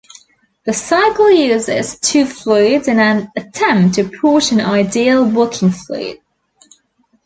The cycle uses two fluids in an attempt to approach an ideal working fluid.